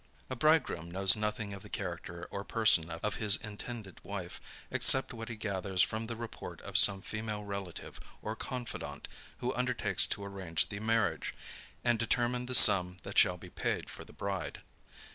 A bridegroom knows nothing of the character or person of his intended wife, except what he gathers from the report of some female relative, or confidant, who undertakes to arrange the marriage, and determine the sum that shall be paid for the bride.